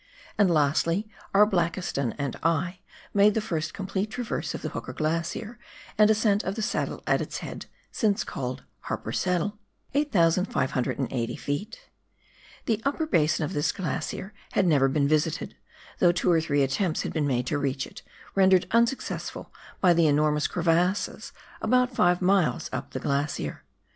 And lastly, E,. Blakiston and I made the first complete traverse of the Hooker Glacier and ascent of the saddle at its head, since called " Harper Saddle " (8,580 ft.). The upper basin of this glacier had never been visited, though two or three attempts had been made to reach it, rendered unsuccessful by the enormous crevasses about five miles up the glacier.